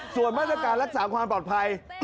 ส่วนมาตรการรักษาความปลอดภัย